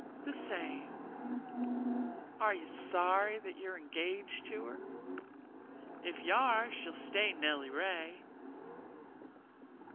"The same. Are you sorry that you're engaged to her? If you are, she'll stay Nelly Ray."